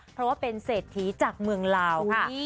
เพราะว่าเป็นเศรษฐีจากเมืองลาวค่ะ